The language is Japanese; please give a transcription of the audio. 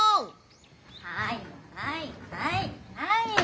はいはいはいはい！